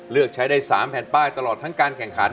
เลือกใช้ได้๓แผ่นป้ายตลอดทั้งการแข่งขัน